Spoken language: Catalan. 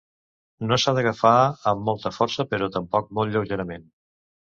No s'ha d'agafar amb molta força però tampoc molt lleugerament.